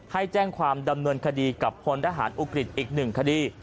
ให้แจ้งความดำเนินคดีกับพลทหารอุกฤษอีกหนึ่งคดี